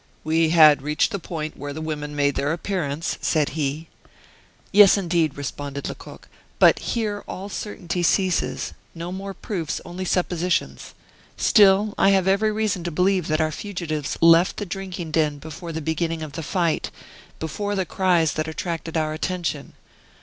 "We had reached the point where the women made their appearance," said he. "Yes, indeed," responded Lecoq, "but here all certainty ceases; no more proofs, only suppositions. Still, I have every reason to believe that our fugitives left the drinking den before the beginning of the fight, before the cries that attracted our attention.